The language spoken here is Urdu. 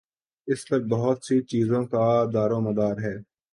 اس پر بہت سی چیزوں کا دارومدار ہے۔